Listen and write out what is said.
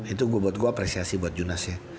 itu buat gue apresiasi buat jurnas ya